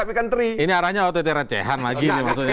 ini arahnya ototera cehan lagi